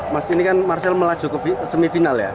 mas ini kan marcel melaju ke semifinal ya